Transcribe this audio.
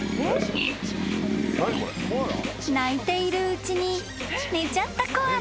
［鳴いているうちに寝ちゃったコアラ］